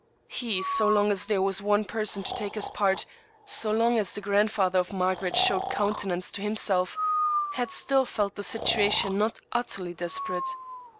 He, so long as there was one per son to take his part, so long as the grandfather of Margaret showed countenance to himself, had still felt his situation not utterly desperate.